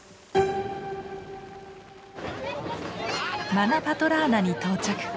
マナパトラーナに到着。